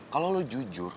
kalau lu jujur